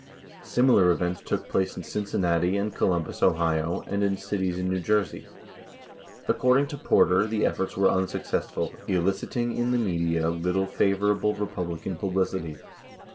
Similar events took place in Cincinnati and Columbus, Ohio, and in cities in New Jersey. Accord ing to Porter the efforts were unsuccessful, eliciting in the media 1 ittle favorable Republican publicity.